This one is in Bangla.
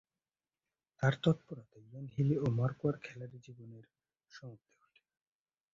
তার তৎপরতায় ইয়ান হিলি ও মার্ক ওয়াহ’র খেলোয়াড়ী জীবনের সমাপ্তি ঘটে।